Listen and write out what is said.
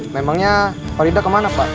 memangnya farida kemana pak